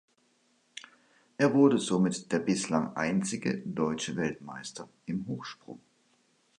Er wurde somit der bislang einzige deutsche Weltmeister im Hochsprung.